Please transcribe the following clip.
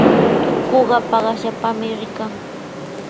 Tukuqa paqasllapami rikan.